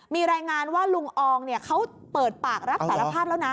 มีรายงานว่าลุงอองเขาเปิดปากรับสารภาพแล้วนะ